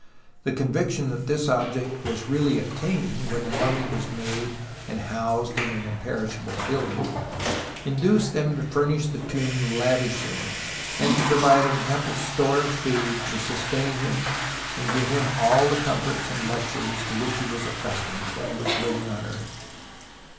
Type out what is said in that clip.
The conviction SIGNIFICANCE OF THE DISCOVERY 61 that this object was really attained when the mummy was made and housed in an imperish able building induced them to furnish the tomb lavishly and to provide an ample store of food to sustain him and give him all the comforts and luxuries to which he was accustomed when he was living upon earth.